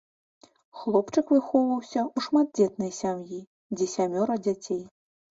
Хлопчык выхоўваўся ў шматдзетнай сям'і, дзе сямёра дзяцей.